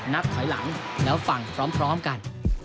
นับถอยหลังแล้วฟังพร้อมกัน